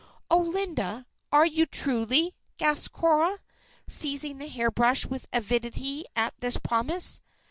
"Oh, Linda! are you truly?" gasped Cora, seizing the hairbrush with avidity at this promise.